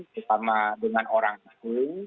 terutama dengan orang asli